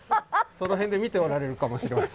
その辺で見ておられるかもしれません。